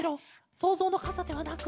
そうぞうのかさではなく？